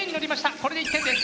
これで１点です。